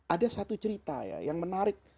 ada satu cerita ya yang menarik